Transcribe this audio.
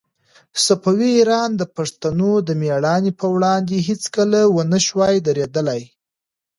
صفوي ایران د پښتنو د مېړانې په وړاندې هيڅکله ونه شوای درېدلای.